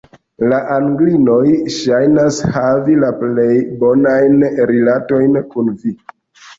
La Anglinoj ŝajnas havi la plej bonajn rilatojn kun vi.